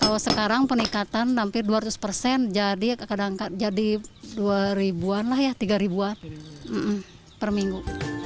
kalau sekarang peningkatan hampir dua ratus persen jadi dua ribu an lah ya tiga ribu an per minggu